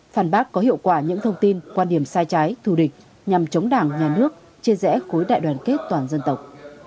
phản bác có hiệu quả những thông tin quan điểm sai trái thù địch nhằm chống đảng nhà nước chia rẽ khối đại đoàn kết toàn dân tộc